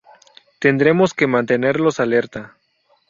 Tendremos que mantenerlos alerta.